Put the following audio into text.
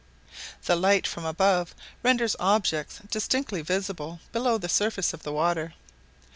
The light from above renders objects distinctly visible below the surface of the water.